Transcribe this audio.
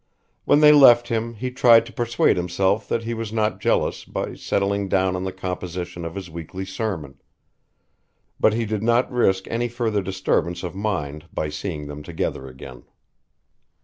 When they left him he tried to persuade himself that he was not jealous by settling down to the composition of his weekly sermon; but he did not risk any further disturbance of mind by seeing them together again.